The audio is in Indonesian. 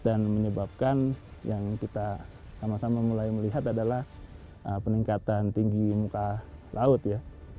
dan menyebabkan yang kita sama sama mulai melihat adalah peningkatan tinggi muka laut ya